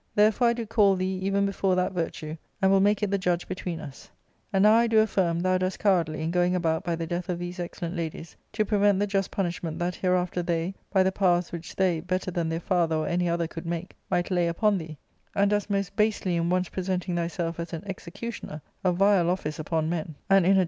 Therefore I do call thee even before that virtue, and will make it the judge between us. And now I do aflfirm thou doest cowardly in going about by the death of these excellent ladies, to prevent the just punishment that hereafter they, by the powers which they, better than their father or any other could make, might lay upon thee, and doest most basely in once presenting thy self as an executioner, a vile office upon men, and in a just * Counterbuff here means a blow; ordinarily "buff" is the leathern hide used as armour.